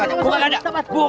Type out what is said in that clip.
waduh gua gulung